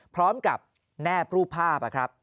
พร้อมกับแนบรูปภาพนะครับ